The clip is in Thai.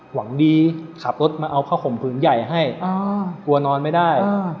หวังดีขับรถมาเอาผ้าข่มผืนใหญ่ให้กลัวนอนไม่ได้